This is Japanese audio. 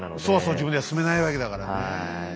そうそう自分では進めないわけだからね。